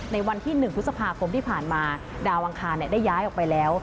ในวันที่๑พฤษภาคมที่ผ่านมาดาวอังคารได้ย้ายออกไปแล้ว